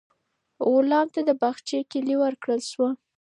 غلام ته د باغچې کیلي ورکړل شوه.